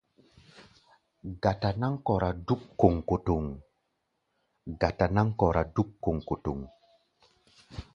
Gata-náŋ kɔra dúk kɔŋkɔtɔŋ.